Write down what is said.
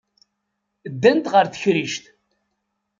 Ddant ɣer tekrict.